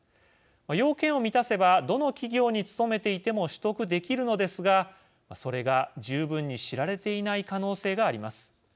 要件を満たせばどの企業に勤めていても取得できるのですがそれが十分に知られていない可能性があります。